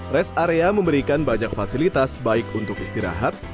rest area memberikan banyak fasilitas baik untuk istirahat